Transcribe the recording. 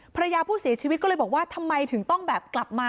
ภรรยาผู้เสียชีวิตก็เลยบอกว่าทำไมถึงต้องแบบกลับมา